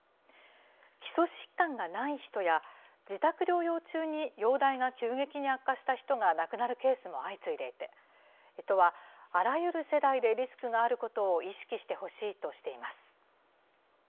基礎疾患がない人や、自宅療養中に容体が急激に悪化した人が亡くなるケースが相次いでいて、都は、あらゆる世代でリスクがあることを意識してほしいとしています。